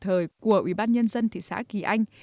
thời của ubnd thị xã kỳ anh